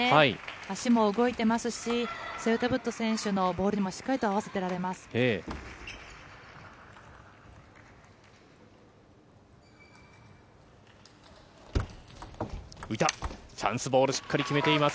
足も動いてますし、セウタブット選手のボールもしっかり合わせられてます。